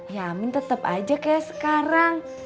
ya amin tetap aja kayak sekarang